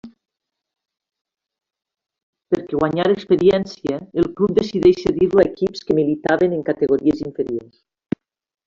Perquè guanyara experiència el club decideix cedir-lo a equips que militaven en categories inferiors.